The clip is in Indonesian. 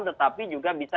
tetapi juga bisa